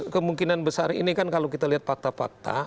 kemungkinan besar ini kan kalau kita lihat fakta fakta